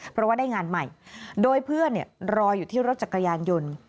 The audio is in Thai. เพราะว่าได้งานใหม่โดยเพื่อนรออยู่ที่รถจักรยานยนต์